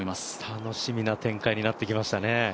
楽しみな展開になってきましたね。